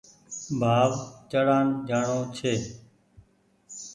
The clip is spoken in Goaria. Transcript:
ڀآو چڙآن جآڻو ڇي